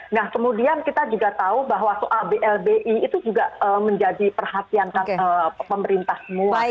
nah kemudian kita juga tahu bahwa soal blbi itu juga menjadi perhatian pemerintah semua